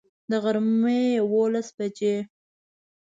د غرمي یوولس بجي